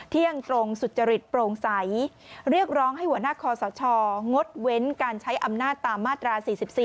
เที่ยงตรงสุจริตโปร่งใสเรียกร้องให้หัวหน้าคอสชงดเว้นการใช้อำนาจตามมาตรา๔๔